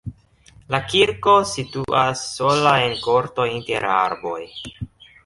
La kirko situas sola en korto inter arboj.